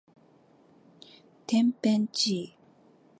てんぺんちい